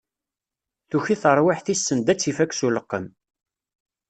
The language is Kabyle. Tuki terwiḥt-is send ad tt-ifak s uleqqem.